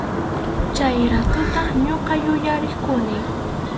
Chay ratutaq ñuqa yuyarirquni.